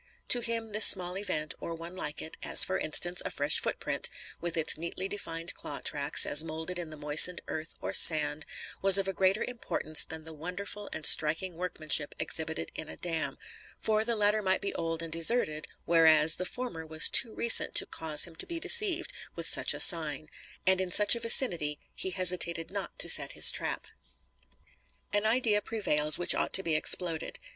To him, this small event, or one like it, as for instance, a fresh footprint, with its neatly defined claw tracks, as moulded in the moistened earth or sand, was of a greater importance than the wonderful and striking workmanship exhibited in a dam; for, the latter might be old and deserted, whereas, the former was too recent to cause him to be deceived with such a sign; and in such a vicinity, he hesitated not to set his trap. An idea prevails which ought to be exploded.